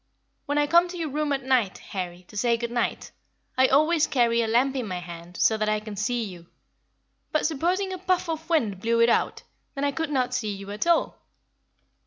When I come to your room at night, Harry, to say good night, I always carry a lamp in my hand so that I can see you; but supposing a puff of wind blew it out, then I could not see you at all.